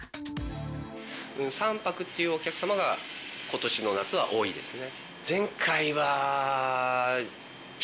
３泊というお客様が、ことしの夏は多いですね。